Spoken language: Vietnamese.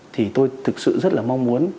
thì tôi thực sự rất là mong muốn